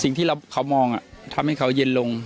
สิ่งที่เขามองทำให้เขาเย็นลง